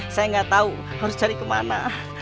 saya gak tau harus cari kemana